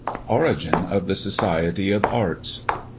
ORIGIN OF THE SOCIETY OF ARTS.